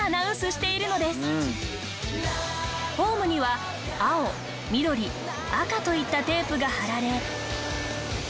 ホームには青緑赤といったテープが貼られ。